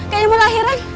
kayaknya mau lahiran